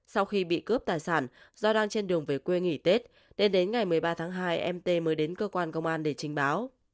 sau khi bị cướp tài sản do đang trên đường về quê nghỉ tết nên đến ngày một mươi ba tháng hai em t mới đến cơ quan công an để trình báo